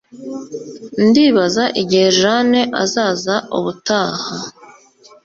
Ndibaza igihe Jane azaza ubutaha